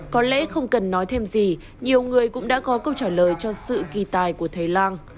có lẽ không cần nói thêm gì nhiều người cũng đã có câu trả lời cho sự kỳ tài của thầy lang